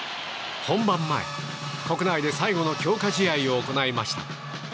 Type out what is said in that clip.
本番前、国内で最後の強化試合を行いました。